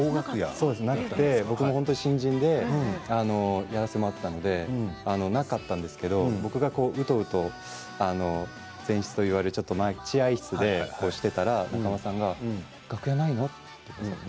新人でやらせてもらっていたのでなかったんですけど僕がうとうと前室と呼ばれるちょっと待合室でしていたら仲間さんが楽屋ないの？と。